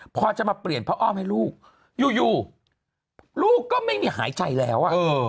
พอจะมาเปลี่ยนพระอ้อมให้ลูกอยู่ลูกก็ไม่มีหายใจแล้ว